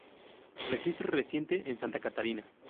Registro reciente en Santa Catarina.